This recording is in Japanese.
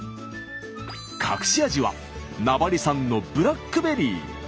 隠し味は名張産のブラックベリー。